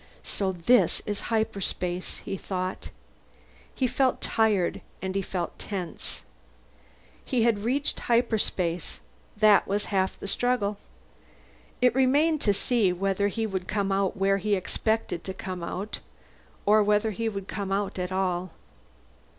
So this is hyperspace, he thought. He felt tired, and he felt tense. He had reached hyperspace; that was half the struggle. It remained to see whether he would come out where he expected to come out, or whether he would come out at all.